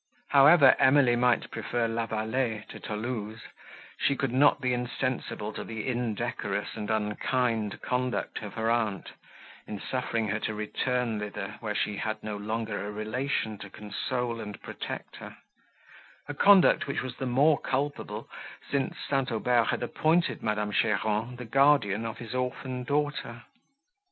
However Emily might prefer La Vallée to Thoulouse, she could not be insensible to the indecorous and unkind conduct of her aunt, in suffering her to return thither, where she had no longer a relation to console and protect her; a conduct, which was the more culpable, since St. Aubert had appointed Madame Cheron the guardian of his orphan daughter.